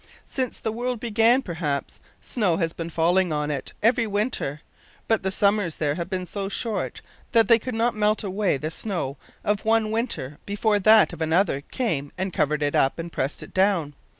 Since the world began, perhaps, snow has been falling on it every winter; but the summers there have been so short that they could not melt away the snow of one winter before that of another came and covered it up and pressed it down.